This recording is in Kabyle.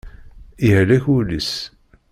Yehlek wul-is.